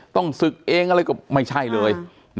ต้องศึกเองอะไรก็ไม่ใช่เลย